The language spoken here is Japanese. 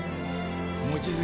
望月